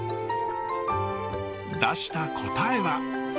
出した答えは。